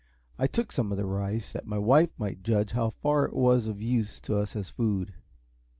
I took some of the rice, that my wife might judge how far it was of use to us as food.